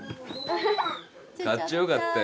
かっちょよかったよ。